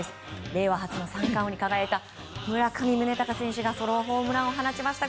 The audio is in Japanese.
令和初の三冠王に輝いた村上宗隆選手がソロホームランを放ちました。